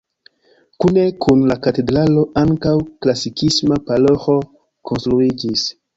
Kune kun la katedralo ankaŭ klasikisma paroĥo konstruiĝis.